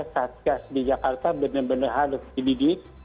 satgas di jakarta benar benar harus dididik